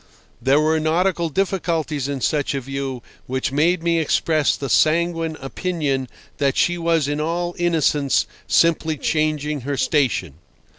There were nautical difficulties in such a view which made me express the sanguine opinion that she was in all innocence simply changing her station.